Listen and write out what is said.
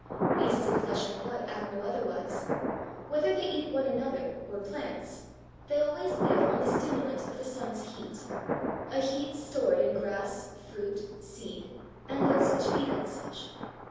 Beasts of flesh and blood act no otherwise. Whether they eat one another or plants, they always live on the stimulant of the sun's heat, a heat stored in grass, fruit, seed, and those which feed on such.